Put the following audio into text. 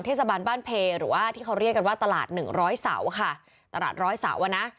เทศบาลบ้านเพหรือว่าที่เขาเรียกกันว่าตลาดหนึ่งร้อยเสาค่ะตลาดร้อยเสาอ่ะนะ